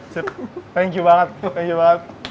sip thank you banget thank you banget